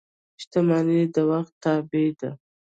• شتمني د وخت تابع ده.